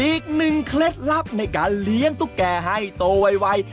อีกหนึ่งเคล็ดลับในการเลี้ยงตุ๊กแกให้โตวัย